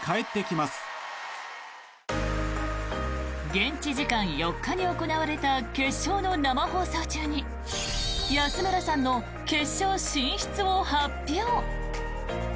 現地時間４日に行われた決勝の生放送中に安村さんの決勝進出を発表。